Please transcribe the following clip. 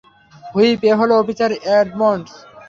Whip, এ হলো officer Edmunds.